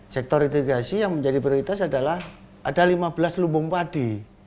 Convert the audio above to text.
sektor itigasi yang menjadi prioritas adalah ada lima belas lumbung padi